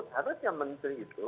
harusnya menteri itu